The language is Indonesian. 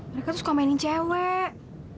mereka tuh suka mainin cewek